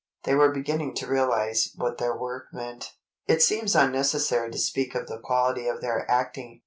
They were beginning to realize what their work meant. It seems unnecessary to speak of the quality of their acting.